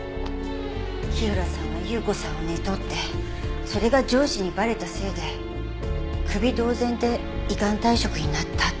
火浦さんは有雨子さんを寝取ってそれが上司にバレたせいでクビ同然で依願退職になったって。